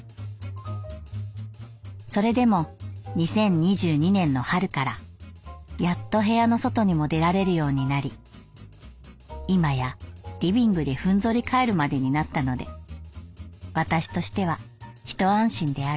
「それでも二〇二二年の春からやっと部屋の外にも出られるようになり今やリビングでふんぞり返るまでになったので私としては一安心である」。